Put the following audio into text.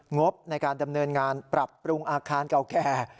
งบในการดำเนินงานปรับปรุงอาคารเก่าแก่